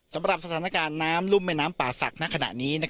สำหรับสถานการณ์น้ำรุ่มแม่น้ำป่าศักดิ์ณขณะนี้